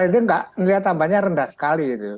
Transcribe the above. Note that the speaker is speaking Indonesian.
itu tidak melihat tambahnya rendah sekali itu